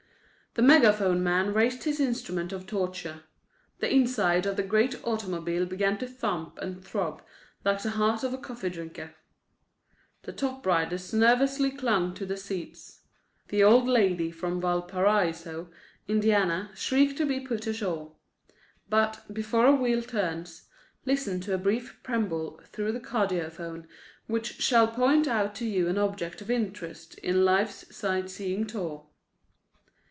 The megaphone man raised his instrument of torture; the inside of the great automobile began to thump and throb like the heart of a coffee drinker. The top riders nervously clung to the seats; the old lady from Valparaiso, Indiana, shrieked to be put ashore. But, before a wheel turns, listen to a brief preamble through the cardiaphone, which shall point out to you an object of interest on life's sightseeing tour.